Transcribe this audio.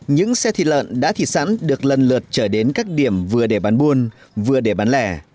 những xe thịt lợn đã thịt sẵn được lần lượt trở đến các điểm vừa để bán buôn vừa để bán lẻ